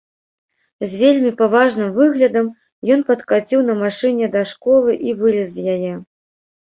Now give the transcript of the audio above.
З вельмі паважным выглядам ён падкаціў на машыне да школы і вылез з яе.